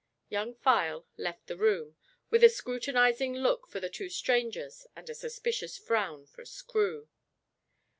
Young File left the room, with a scrutinizing look for the two strangers and a suspicious frown for Screw.